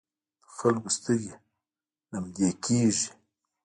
د خلکو سترګې لمدې کېږي.